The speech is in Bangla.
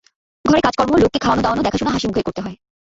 ঘরে কাজকর্ম, লোককে খাওয়ানো-দাওয়ানো, দেখাশুনো হাসিমুখেই করতে হয়।